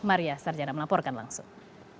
maria sarjana melaporkan langsung